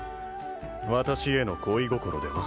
私への恋心では？